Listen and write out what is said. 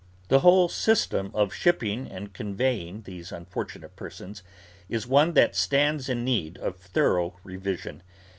The whole system of shipping and conveying these unfortunate persons, is one that stands in need of thorough revision.